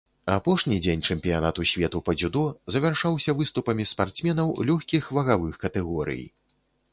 Апошні дзень чэмпіянату свету па дзюдо завяршаўся выступамі спартсменаў лёгкіх вагавых катэгорый.